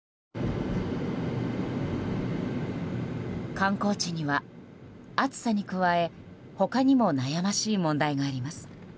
観光地には暑さに加え他にも悩ましい問題があります。